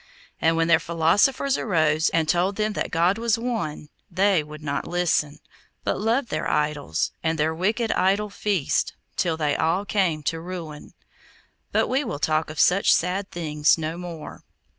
And when their philosophers arose, and told them that God was One, they would not listen, but loved their idols, and their wicked idol feasts, till they all came to ruin. But we will talk of such sad things no more.